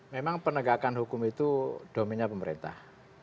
memang penegakan hukum itu domennya pemerintah